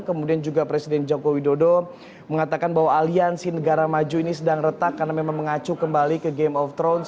kemudian juga presiden joko widodo mengatakan bahwa aliansi negara maju ini sedang retak karena memang mengacu kembali ke game of thrones